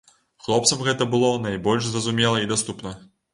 Хлопцам гэта было найбольш зразумела і даступна.